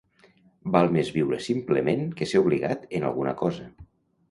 Val més viure simplement que ser obligat en alguna cosa.